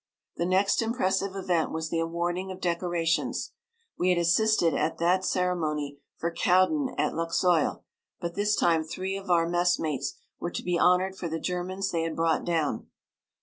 The next impressive event was the awarding of decorations. We had assisted at that ceremony for Cowdin at Luxeuil, but this time three of our messmates were to be honoured for the Germans they had brought down.